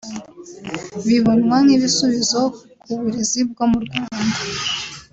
bibonwa nk’ibisubizo ku burezi bwo mu Rwanda